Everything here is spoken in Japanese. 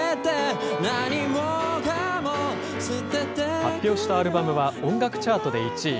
発表したアルバムは音楽チャートで１位。